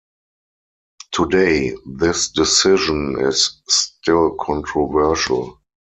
Today, this decision is still controversial.